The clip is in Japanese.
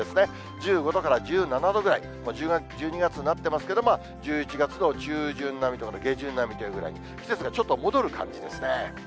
１５度から１７度ぐらい、１２月になってますけど、１１月の中旬並みとか下旬並みというぐらいに、季節がちょっと戻る感じですね。